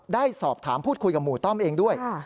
ได้สอบถามพูดคุยกับหมู่ต้อมเองด้วย